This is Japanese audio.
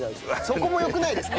そこもよくないですか？